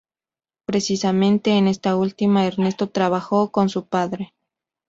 Precisamente en esta última Ernesto trabajó con su padre.